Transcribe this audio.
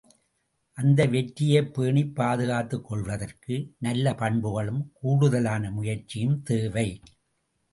அந்த வெற்றியைப் பேணிப் பாதுகாத்துக் கொள்வதற்கு நல்ல பண்புகளும் கூடுதலான முயற்சியும் தேவை.